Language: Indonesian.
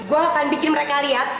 gue akan bikin mereka lihat